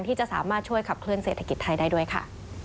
ที่จะสามารถช่วยขับเคลื่อเศรษฐกิจไทยได้ด้วยค่ะ